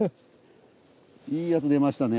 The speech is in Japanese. いいやつ出ましたね。